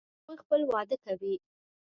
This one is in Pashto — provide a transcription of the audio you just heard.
هغوی خپل واده کوي